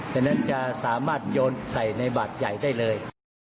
ฉะนั้นจะสามารถโยนใส่ในบาทใหญ่ได้เลย